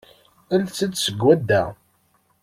Ales-d seg swadda.